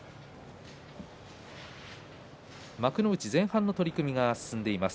幕内前半の取組が進んでいます。